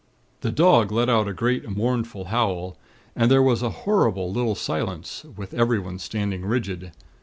The dog let out a great, mournful howl, and there was a horrible little silence, with everyone standing rigid.